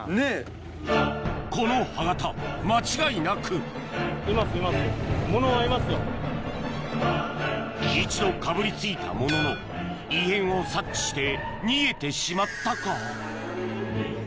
この歯形間違いなく一度かぶりついたものの異変を察知して逃げてしまったか？